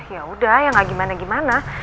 yaudah yang gak gimana gimana